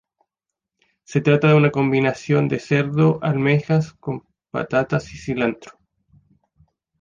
Se trata de una combinación de cerdo y almejas, con patata y cilantro.